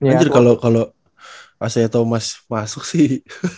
anjir kalau isaiah thomas masuk sih